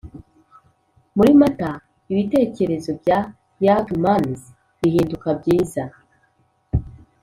muri mata, ibitekerezo bya youg mans bihinduka byiza!